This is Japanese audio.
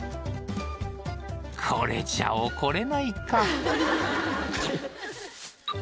［これじゃ怒れないか］